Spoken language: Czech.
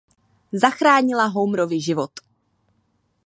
Zachránila Homerovi život.